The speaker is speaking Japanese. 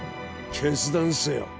決断せよ。